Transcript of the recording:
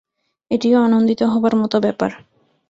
এটিও আনন্দিত হবার মতো ব্যাপার।